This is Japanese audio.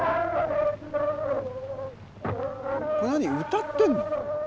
歌ってんの？